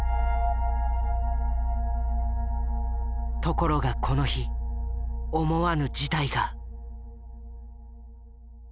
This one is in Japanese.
ところがこの日思わぬ事態が。